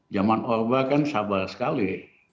zaman orba kan sabar sekali